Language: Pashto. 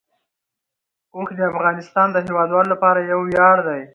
اوښ د افغانستان د هیوادوالو لپاره یو ویاړ دی.